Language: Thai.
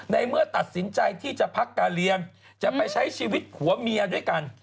เมื่อตัดสินใจที่จะพักการเรียนจะไปใช้ชีวิตผัวเมียด้วยกัน